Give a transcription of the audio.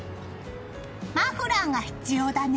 マフラーが必要だね。